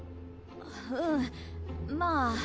うんまぁ。